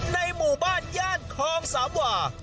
ในหมู่บ้านย่านคลองสามวา